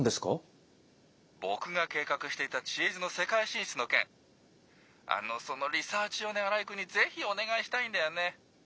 ☎僕が計画していた「知恵泉」の世界進出の件あのそのリサーチをね新井君にぜひお願いしたいんだよね。